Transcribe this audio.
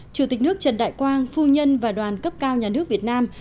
chủ tịch nước trần đại quang phu nhân và đoàn cấp cao nhà nước việt nam